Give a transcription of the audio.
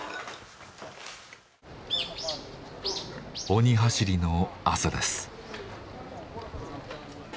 「鬼はしり」の朝です。